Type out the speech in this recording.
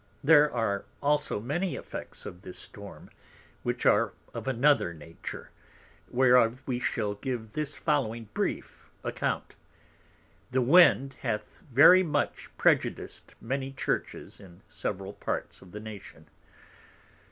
There are also many Effects of this Storm which are of another Nature, whereof we shall give this following brief Account. The Wind hath very much prejudiced many Churches in several Parts of the Nation.